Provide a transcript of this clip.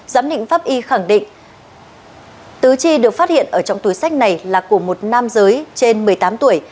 giám định pháp y khẳng định tứ chi được phát hiện ở trong túi sách này là của một nam giới trên một mươi tám tuổi